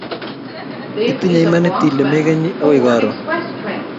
itinye imanit ile mekenyi akoi karon